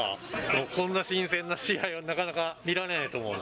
こんな新鮮な試合はなかなか見られないと思うんで。